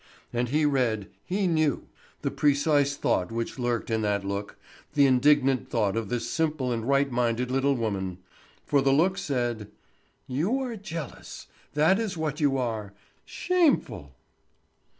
And he read, he knew, the precise thought which lurked in that look, the indignant thought of this simple and right minded little woman; for the look said: "You are jealous—that is what you are. Shameful!"